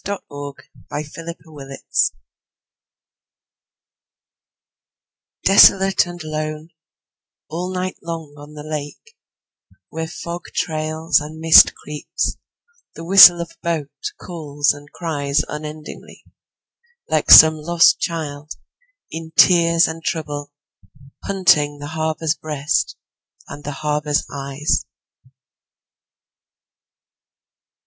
1917. Lost By Carl Sandburg DESOLATE and loneAll night long on the lakeWhere fog trails and mist creeps, The whistle of a boatCalls and cries unendingly, Like some lost childIn tears and troubleHunting the harbor's breastAnd the harbor's eyes.